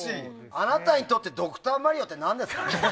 あなたにとって「ドクターマリオ」って何ですか？